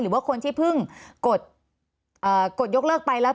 หรือว่าคนที่เพิ่งกดยกเลิกไปแล้ว